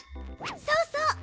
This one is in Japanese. そうそう。